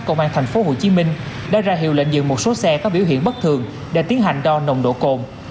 công an tp hcm đã ra hiệu lệnh dừng một số xe có biểu hiện bất thường để tiến hành đo nồng độ cồn